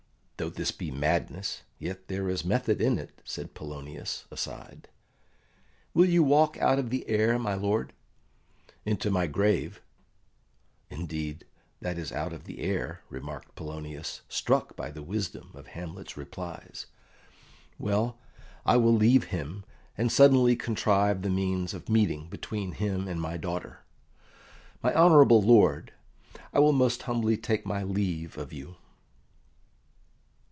"Though this be madness, yet there is method in it," said Polonius aside. "Will you walk out of the air, my lord?" "Into my grave." "Indeed, that is out of the air," remarked Polonius struck by the wisdom of Hamlet's replies. "Well, I will leave him, and suddenly contrive the means of meeting between him and my daughter. My honourable lord, I will most humbly take my leave of you."